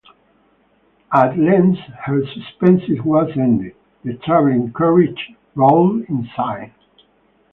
At length her suspense was ended: the travelling carriage rolled in sight.